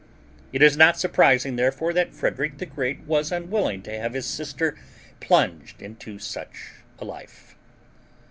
It is not surprising, therefore, that Frederick the Great was unwilling to have his sister plunged into such a life.